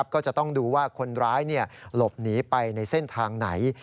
ก็จะต้องดูว่าคนร้ายหลบหนีไปในเส้นทางไหน